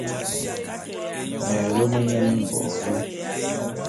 Me lôme nye mimbôk vé?